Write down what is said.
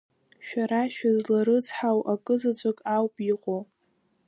Шәара шәызларыцҳау акы заҵәык ауп иҟоу.